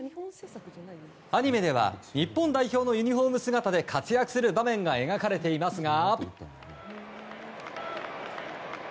アニメでは日本代表のユニホーム姿で活躍する場面が描かれていますが。